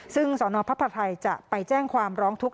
ซึ่งสนพระพไทยจะไปแจ้งความร้องทุกข